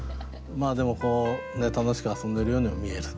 まあでも楽しく遊んでるようにも見える。